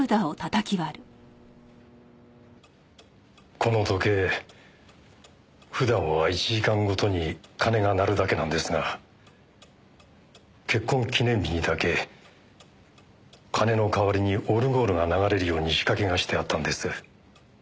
この時計普段は１時間ごとに鐘が鳴るだけなんですが結婚記念日にだけ鐘の代わりにオルゴールが流れるように仕掛けがしてあったんです。